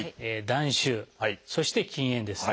「断酒」そして「禁煙」です。